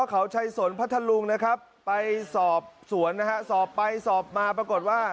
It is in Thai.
เขาชัยสนพัทธลุงนะครับไปสอบสวนนะฮะสอบไปสอบมาปรากฏว่า